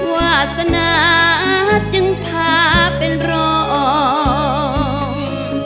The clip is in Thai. วาสนาจึงพาเป็นรอง